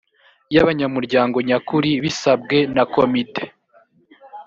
y abanyamuryango nyakuri bisabwe na komite